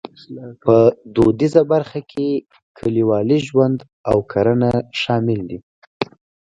په دودیزه برخه کې کلیوالي ژوند او کرنه شامل دي.